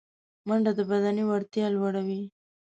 منډه د بدني وړتیا لوړوي